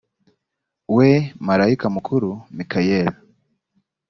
we marayika mukuru mikayeli